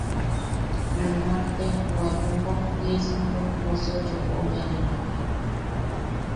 Junamakte nuevempo diesiempo Museo chopou yajine.